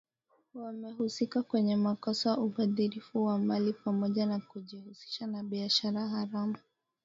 wamehusika kwenye makosa ubadhirifu wa mali pamoja na kujihusisha na biashara haramu